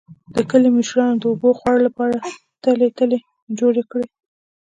د کلي مشرانو د اوبهخور لپاره ټلۍ ټلۍ جوړې کړې.